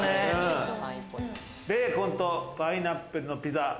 ベーコンとパイナップルのピザ。